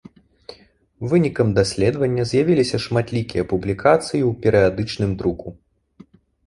Вынікам даследавання з'явіліся шматлікія публікацыі ў перыядычным друку.